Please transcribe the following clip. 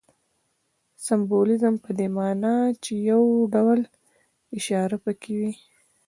سمبولیزم په دې ماناچي یو ډول اشاره پکښې وي.